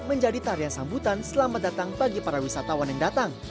menjadi tarian sambutan selamat datang bagi para wisatawan yang datang